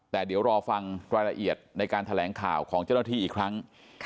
แต่เดี๋ยวรอฟังรายละเอียดในการแถลงข่าวของเจ้าหน้าที่อีกครั้ง